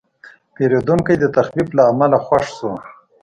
پیرودونکی د تخفیف له امله خوښ شو.